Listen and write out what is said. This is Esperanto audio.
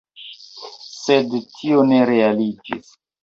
Sed tio ne realiĝis.